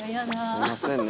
すいませんね